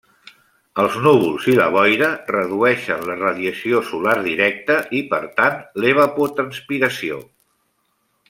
Els núvols i la boira redueixen la radiació solar directa i per tant l'evapotranspiració.